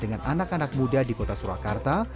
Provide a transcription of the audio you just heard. dengan anak anak muda di kota surakarta